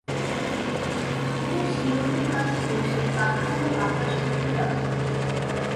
কুমু শিয়রের কাছে বসে পাখা নিয়ে বাতাস করতে লাগল।